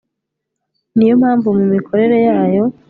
ni yo mpamvu mu mikorere yayo